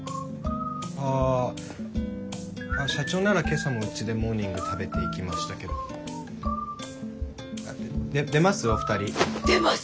あ社長なら今朝もうちでモーニング食べていきましたけど。出ます？